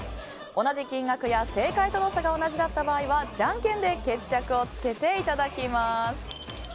同じ金額や正解との差が同じだった場合はじゃんけんで決着をつけていただきます。